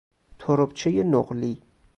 تربچهٔ نقلی